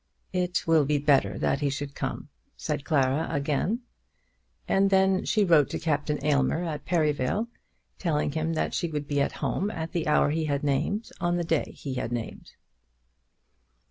"It will be better that he should come," said Clara again. And then she wrote to Captain Aylmer at Perivale, telling him that she would be at the house at the hour he had named, on the day he had named.